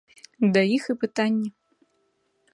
Да іх і пытанні.